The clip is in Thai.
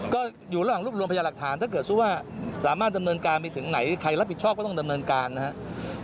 ก็อยู่ระหว่างรวบรวมพยาหลักฐานถ้าเกิดสู้ว่าสามารถดำเนินการไปถึงไหนใครรับผิดชอบก็ต้องดำเนินการนะครับ